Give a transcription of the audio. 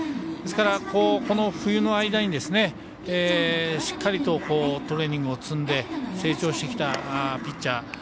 ですから、この冬の間にしっかりとトレーニングを積んで成長してきたピッチャー。